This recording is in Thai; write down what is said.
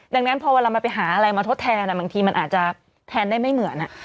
ดังนั้นพอเวลามันไปหาอะไรมาทดแทนบางทีมันอาจจะแทนได้ไม่เหมือน